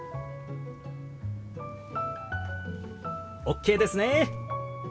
ＯＫですね！